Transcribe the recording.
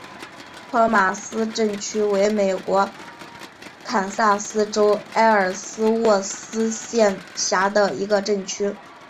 托马斯镇区为美国堪萨斯州埃尔斯沃思县辖下的镇区。